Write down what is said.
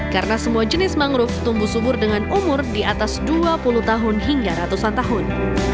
karena semua jenis mangrove tumbuh subur dengan umur di atas dua puluh tahun hingga ratusan tahun